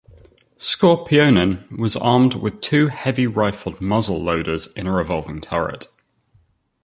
"Skorpionen" was armed with two heavy rifled muzzle-loaders in a revolving turret.